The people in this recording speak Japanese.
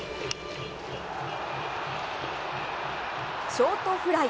ショートフライ。